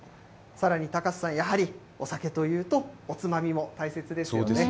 さらに高瀬さん、やはりお酒というと、おつまみも大切ですよね。